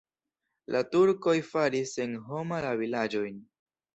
La turkoj faris senhoma la vilaĝojn.